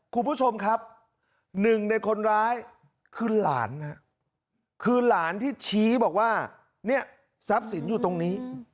คุณผู้ชมครับหนึ่งในคนร้ายคือหลานคือหลานที่ชี้บอกว่าเนี่ยทรัพย์สินอยู่ตรงนี้